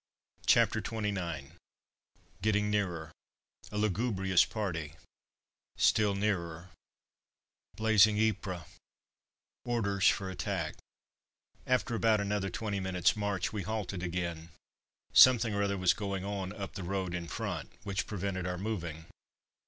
CHAPTER XXIX GETTING NEARER A LUGUBRIOUS PARTY STILL NEARER BLAZING YPRES ORDERS FOR ATTACK [Illustration: A] After about another twenty minutes' march we halted again. Something or other was going on up the road in front, which prevented our moving.